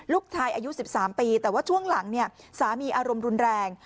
ลูกชายอายุ๑๓ปีแต่ว่าช่วงหลังเนี่ยสามีอารมณ์รุนแรง